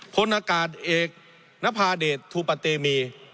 พลอากาศเอกนภาเดชทูปะเตมี